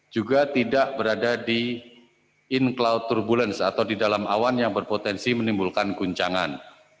juga tidak berada di incloud turbulence atau di dalam awan yang berpotensi menimbulkan guncangan